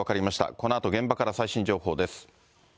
このあと現場から最新情報です。